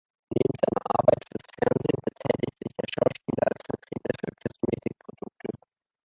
Neben seiner Arbeit fürs Fernsehen betätigt sich der Schauspieler als Vertreter für Kosmetikprodukte.